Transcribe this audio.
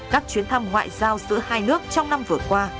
các chuyến thăm ngoại giao giữa hai nước trong năm vừa qua